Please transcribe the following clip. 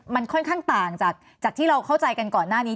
มันค่อนข้างต่างจากที่เราเข้าใจกันก่อนหน้านี้